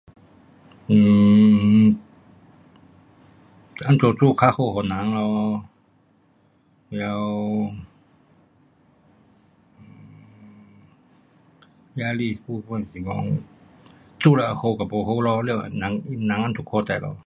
um 怎样做较好给人咯，了压力过分是讲做了会好和不好咯，了人，人这样看知咯。